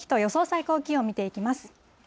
最高気温見ていきます。